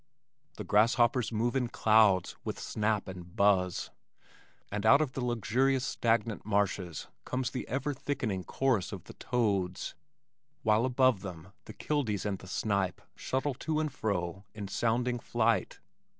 The grasshoppers move in clouds with snap and buzz, and out of the luxurious stagnant marshes comes the ever thickening chorus of the toads, while above them the kildees and the snipe shuttle to and fro in sounding flight.